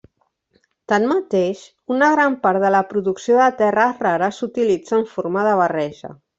Tanmateix, una gran part de la producció de terres rares s'utilitza en forma de barreja.